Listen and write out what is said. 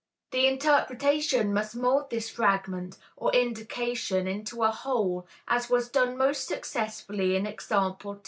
The interpretation must mould this fragment, or indication, into a whole, as was done most successfully in example 2.